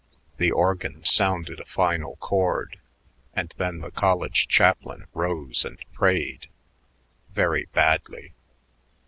The organ sounded a final chord, and then the college chaplain rose and prayed very badly.